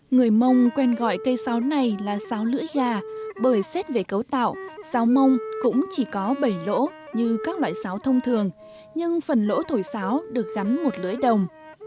người mông quen gọi cây sáo này là sáo lưỡi gà bởi xét về cấu tạo sáo mông cũng chỉ có bảy lỗ như các loại sáo thông thường nhưng phần lỗ thổi sáo được gắn một lưỡi đồng